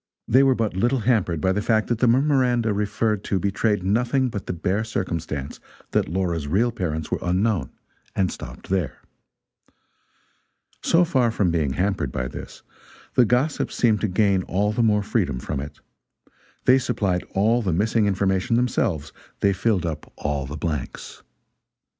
They were but little hampered by the fact that the memoranda referred to betrayed nothing but the bare circumstance that Laura's real parents were unknown, and stopped there. So far from being hampered by this, the gossips seemed to gain all the more freedom from it. They supplied all the missing information themselves, they filled up all the blanks.